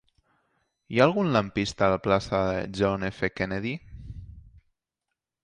Hi ha algun lampista a la plaça de John F. Kennedy?